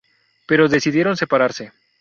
Pero decidieron separarse.